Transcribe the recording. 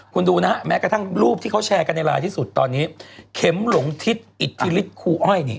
คุณดูนะฮะแม้กระทั่งรูปที่เขาแชร์กันในไลน์ที่สุดตอนนี้เข็มหลงทิศอิทธิฤทธิครูอ้อยนี่